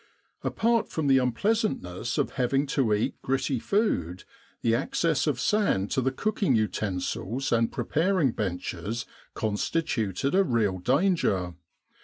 Apart from the unpleasantness of having to eat gritty food, the access of sand to the cooking utensils and preparing benches constituted a real danger.